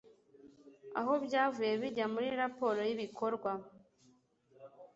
aho byavuye bijya muri raporo y ibikorwa